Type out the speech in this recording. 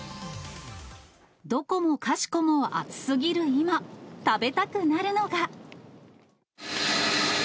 どこもかしこも暑すぎる今、食べたくなるのが。